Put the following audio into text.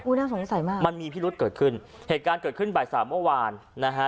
น่าสงสัยมากมันมีพิรุษเกิดขึ้นเหตุการณ์เกิดขึ้นบ่ายสามเมื่อวานนะฮะ